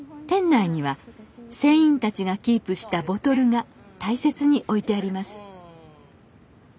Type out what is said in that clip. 店内には船員たちがキープしたボトルが大切に置いてあります